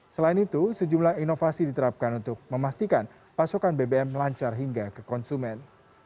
selain itu sejumlah inovasi diterapkan untuk memastikan pasokan bbm lancar hingga ke konsumen